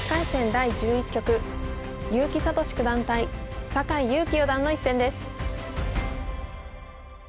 第１１局結城聡九段対酒井佑規四段の一戦です。